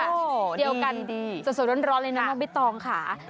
โหดีสดสดร้อนเลยนะน้องบิตรองค่ะ